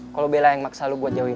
kalo bella yang maksa lo buat jauhi dia